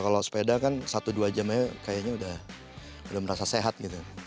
kalau sepeda kan satu dua jam aja kayaknya udah merasa sehat gitu